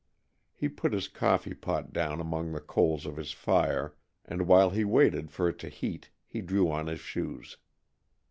He put his coffee pot down among the coals of his fire and while he waited for it to heat, he drew on his shoes.